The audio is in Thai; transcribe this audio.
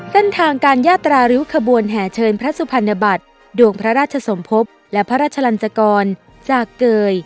เส้นทางการยาตราริ้วขบวนแห่เชิญพระสุพรรณบัตรดวงพระราชสมภพและพระราชลันจกรจากเกย